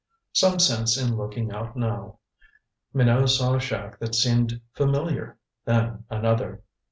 Some sense in looking out now. Minot saw a shack that seemed familiar then another.